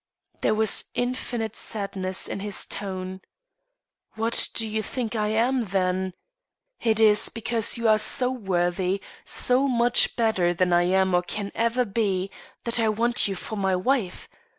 There was infinite sadness in his tone. "What do you think I am, then? It is because you are so worthy, so much better than I am or can ever be, that I want you for my wife.